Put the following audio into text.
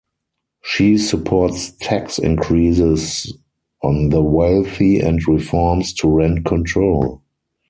She supports tax increases on the wealthy and reforms to rent control.